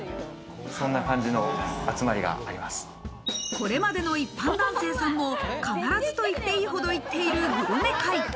これまでの一般男性さんも必ずと言っていいほど行っているグルメ会。